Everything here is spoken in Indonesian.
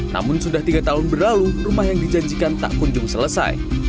namun sudah tiga tahun berlalu rumah yang dijanjikan tak kunjung selesai